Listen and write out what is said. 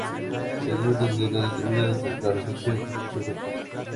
Es una de las Deidades de la Religión yoruba.